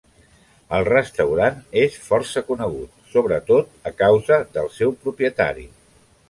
El restaurant és força conegut, sobretot a causa del seu propietari.